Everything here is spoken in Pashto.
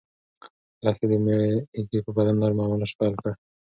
لښتې د مېږې په بدن نرمه مالش پیل کړ.